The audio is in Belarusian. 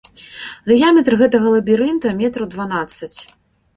Дыяметр гэтага лабірынта метраў дванаццаць.